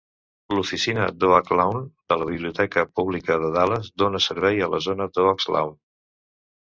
L'oficina d'Oak Lawn de la Biblioteca Pública de Dallas dona servei a la zona d'Oak Lawn.